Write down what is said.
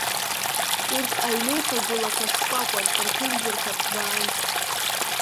Урҭ аҩнеихагылақәа шкәакәан, рԥенџьырқәа ҭбаан.